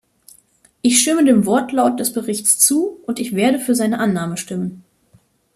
Ich stimme dem Wortlaut des Berichts zu, und ich werde für seine Annahme stimmen.